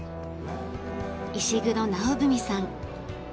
石黒直文さん。